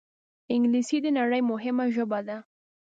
انګلیسي د نړۍ مهمه ژبه ده